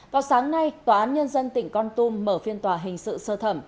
vào sáng nay tòa án nhân dân tỉnh con tum mở phiên tòa hình sự sơ thẩm